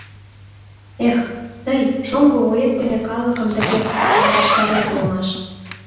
Эх, тый, шоҥго вует дене калыкым тыге алгаштарет улмаш..